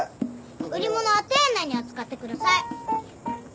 売り物は丁寧に扱ってください。